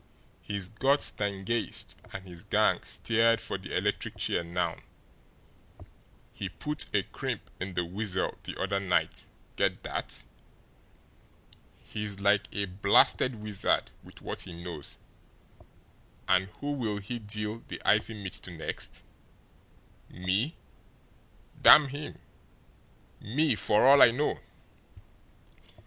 He's got Stangeist and his gang steered for the electric chair now; he put a crimp in the Weasel the other night get that? He's like a blasted wizard with what he knows. And who'll he deal the icy mitt to next? Me damn him me, for all I know!"